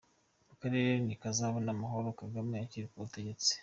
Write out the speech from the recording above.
Akarere ntikazabona amahoro Kagame akiri ku butegetsi.